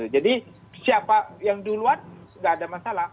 siapa yang duluan tidak ada masalah